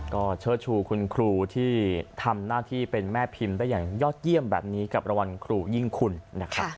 ก็เชิดชูคุณครูที่ทำหน้าที่เป็นแม่พิมพ์ได้อย่างยอดเยี่ยมแบบนี้กับรางวัลครูยิ่งคุณนะครับ